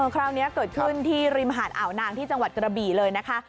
คราวนี้เกิดขึ้นที่ริมหาดอ่าวนางที่จังหวัดกระบี่เลยนะคะ